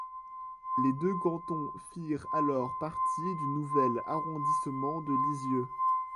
Les deux cantons firent alors partie du nouvel arrondissement de Lisieux.